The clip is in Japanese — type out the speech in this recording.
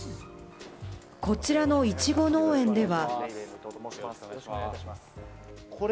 こちらのイチゴ農園では。